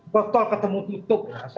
betul ketemu tutup